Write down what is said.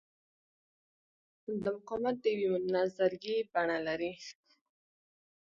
دا مقاومت د یوې نظریې بڼه لري.